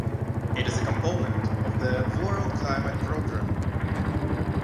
It is a component of the World Climate Programme.